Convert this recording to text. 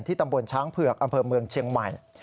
ตำบลช้างเผือกอำเภอเมืองเชียงใหม่